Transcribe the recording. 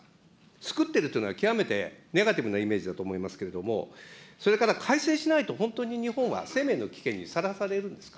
すくっているというのは、極めてネガティブなイメージだと思いますけれども、それから改正しないと、本当に日本は生命の危険にさらされるんですか。